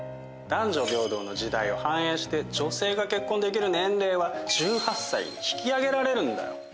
男女平等の時代を反映して女性が結婚できる年齢は１８歳に引き上げられるんだよ。